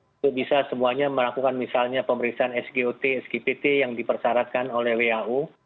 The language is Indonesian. itu bisa semuanya melakukan misalnya pemeriksaan sgo t sgpt yang dipersyaratkan oleh wau